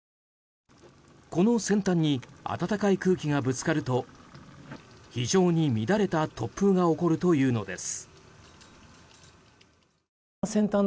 この先端に暖かい空気がぶつかると非常に乱れた突風が起こるというのです。